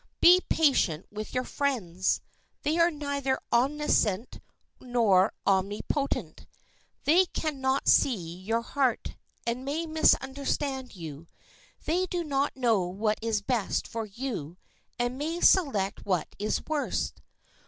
Be patient with your friends. They are neither omniscient nor omnipotent. They can not see your heart, and may misunderstand you. They do not know what is best for you, and may select what is worst.